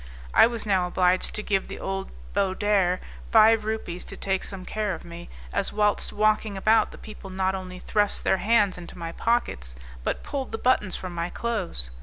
I was now obliged to give the old Baudarre five rupees to take some care of me, as whilst walking about, the people not only thrust their hands into my pockets, but pulled the buttons from my clothes.